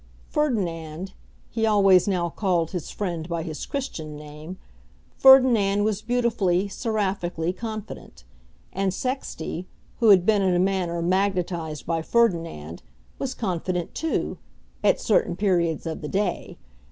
Ferdinand, he always now called his friend by his Christian name, Ferdinand was beautifully, seraphically confident. And Sexty, who had been in a manner magnetised by Ferdinand, was confident too at certain periods of the day.